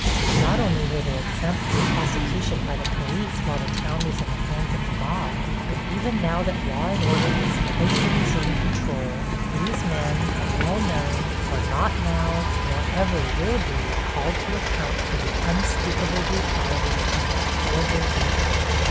Not only were they exempt from prosecution by the police while the town was in the hands of the mob, but even now that law and order is supposed to resume control, these men, well known, are not now, nor ever will be, called to account for the unspeakable brutalities of that terrible week.